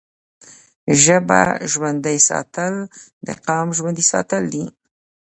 ژبه ژوندی ساتل د قام ژوندی ساتل دي.